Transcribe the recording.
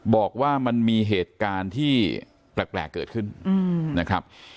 บอกว่ามันมีเหตุการณ์ที่แปลกเกิดขึ้นนะครับ